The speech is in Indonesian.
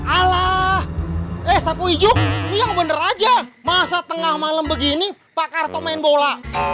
ala eh sapu hijau yang bener aja masa tengah malam begini pak kartop main bola